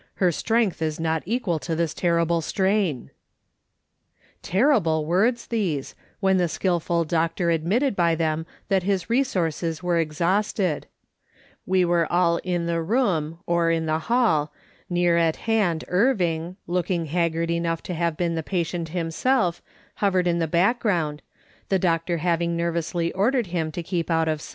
Her strength is not equal to this terrible strain." Terrible words these, when the skilful doctor ad mitted by them that his resources were exhausted We were all in the room, or in the hall, near at hand Irving, looking haggard enough to have been the patient himself, hovered in the background, the doctor having nervously ordered him to keep out of l6S AIKS. SOLOMON 3M1TH LOOKING ON.